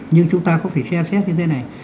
nhưng chúng ta cũng phải xem xét như thế này